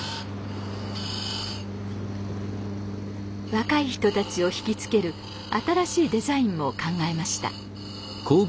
若い人たちを引き付ける新しいデザインを考えました。